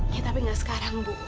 ya tapi nggak sekarang bu